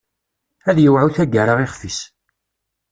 Ad yewɛu taggara ixef-is.